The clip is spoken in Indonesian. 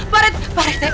pak rete pak rete